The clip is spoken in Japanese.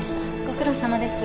ご苦労さまです。